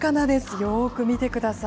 よーく見てください。